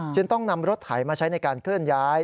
จึงต้องนำรถไถมาใช้ในการเคลื่อนย้าย